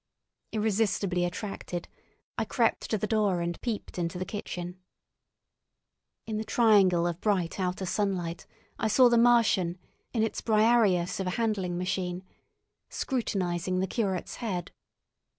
Irresistibly attracted, I crept to the door and peeped into the kitchen. In the triangle of bright outer sunlight I saw the Martian, in its Briareus of a handling machine, scrutinizing the curate's head.